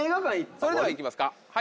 それでは行きますか。